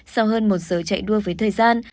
sau hơn một giờ chạy đua với thời gian